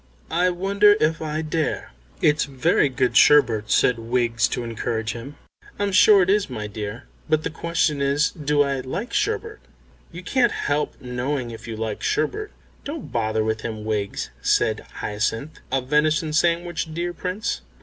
"I wonder if I dare." "It's very good sherbet," said Wiggs, to encourage him. "I'm sure it is, my dear. But the question is, Do I like sherbet?" "You can't help knowing if you like sherbet." "Don't bother him, Wiggs," said Hyacinth, "a venison sandwich, dear Prince?"